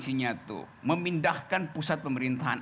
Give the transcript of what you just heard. pertanyaan kuncinya itu memindahkan pusat pemerintahan